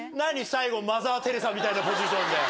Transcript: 最後、マザー・テレサみたいなポジションで。